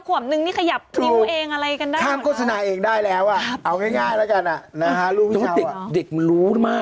ขวบหนึ่งนี่ขยับนิ้วเองอะไรกันได้หรือเปล่า